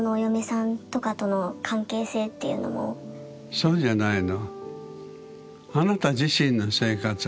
そうじゃないの。